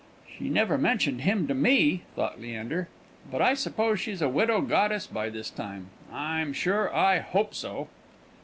"She never mentioned him to me," thought Leander; "but I suppose she's a widow goddess by this time; I'm sure I hope so."